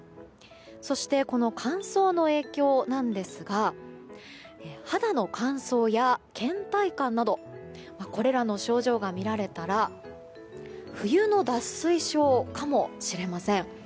そして、乾燥の影響なんですが肌の乾燥や倦怠感などこれらの症状が見られたら冬の脱水症かもしれません。